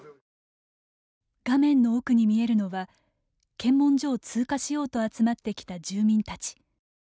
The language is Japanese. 画面の奥に見えるのは検問所を通過しようと集まってきた住民たち。